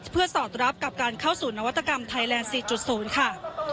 เพื่อสอดรับกับการเข้าสู่นวัตกรรมไทยแลนด์๔๐ค่ะ